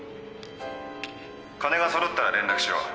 金が揃ったら連絡しろ。